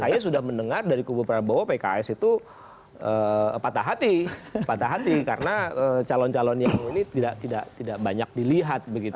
saya sudah mendengar dari kubu prabowo pks itu patah hati karena calon calon yang ini tidak banyak dilihat begitu